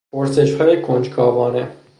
پرسشهای کنجکاوانه